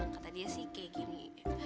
kata dia sih kayak gini